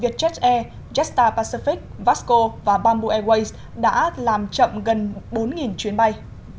vietjet air jetstar pacific vasco và bamboo airways đã làm chậm gần bốn chuyến bay